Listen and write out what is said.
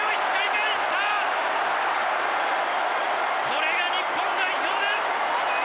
これが日本代表です。